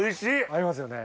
合いますよね。